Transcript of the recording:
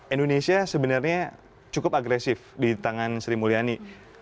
indonesia sebenarnya cukup agresif di tangan sri mulyani